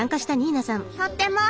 とっても。